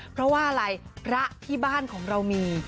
เพราะว่าอะไรพระที่บ้านของเรามี